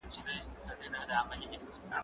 زه له سهاره مېوې وچوم!.